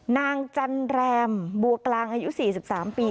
นางจันแรมบัวกลางอายุ๔๓ปี